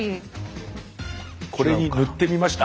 これに塗ってみました。